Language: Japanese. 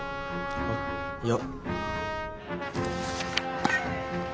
あっいや。